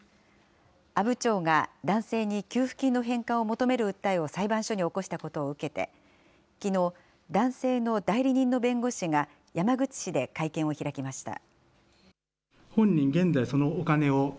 阿武町が男性に給付金の返還を求める訴えを裁判所に起こしたことを受けて、きのう、男性の代理人の弁護士が山口市で会見を開きました。